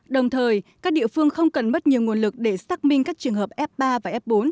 đồng thời các địa phương không cần mất nhiều nguồn lực để xác minh các trường hợp f ba và f bốn